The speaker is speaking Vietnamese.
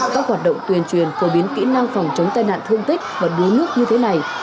các hoạt động tuyên truyền phổ biến kỹ năng phòng chống tai nạn thương tích và đuối nước như thế này